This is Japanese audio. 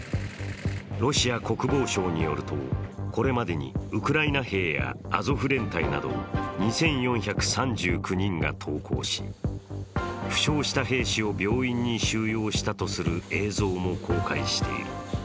ロシア国防省によると、これまでにウクライナ兵やアゾフ連隊など２４３９人が投降し負傷した兵士を病院に収容したとする映像も公開している。